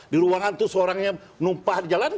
di ruangan itu seorangnya numpah di jalan